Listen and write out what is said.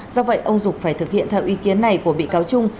do vậy ông dục phải thực hiện theo ý kiến này của bị cáo trung